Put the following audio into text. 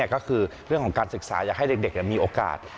ก็คือเรื่องของการศึกษาอยากให้เด็กมีโอกาส